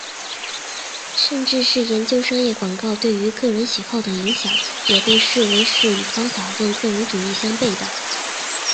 甚至是研究商业广告对于个人喜好的影响也被视为是与方法论的个人主义相背的。